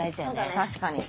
確かに。